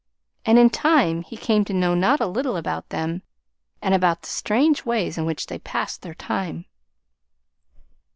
And in time he came to know not a little about them and about the strange ways in which they passed their time.